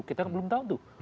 kita belum tahu tuh